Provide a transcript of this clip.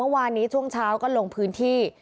วันนี้ช่วงเช้าก็ลงพื้นที่